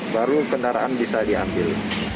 baru kendaraan bisa diambil